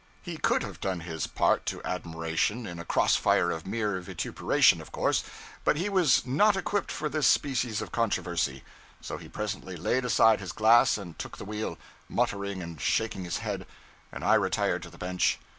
He could have done his part to admiration in a cross fire of mere vituperation, of course; but he was not equipped for this species of controversy; so he presently laid aside his glass and took the wheel, muttering and shaking his head; and I retired to the bench.